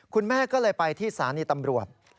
คุณแม่ก็เลยไปที่สถานีตำรวจ